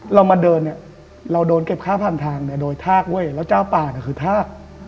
เรามาเดินเนี่ยเราโดนเก็บค่าผ่านทางเนี่ยโดยทากเว้ยแล้วเจ้าป่าเนี่ยคือทาก